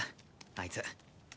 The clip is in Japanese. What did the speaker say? あいつ。